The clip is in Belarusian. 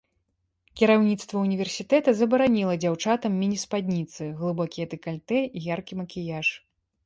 Кіраўніцтва ўніверсітэта забараніла дзяўчатам міні-спадніцы, глыбокія дэкальтэ і яркі макіяж.